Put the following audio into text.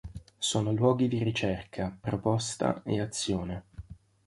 Sono luoghi di ricerca, proposta e azione.